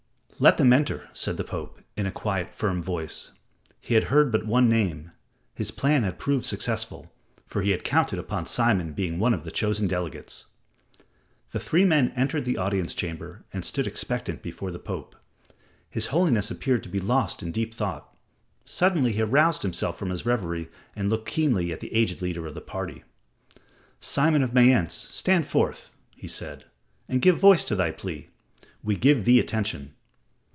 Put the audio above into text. "Let them enter," said the Pope, in a quiet, firm voice. He had heard but one name; his plan had proved successful, for he had counted upon Simon being one of the chosen delegates. The three men entered the audience chamber and stood expectant before the Pope. His Holiness appeared to be lost in deep thought. Suddenly he aroused himself from his reverie and looked keenly at the aged leader of the party. "Simon of Mayence, stand forth," he said, "and give voice to thy plea. We give thee attention."